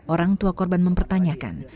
orang tua korban mempertanyakan